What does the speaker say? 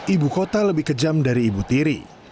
ibu kota lebih kejam dari ibu tiri